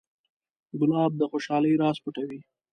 ګلاب د خوشحالۍ راز پټوي.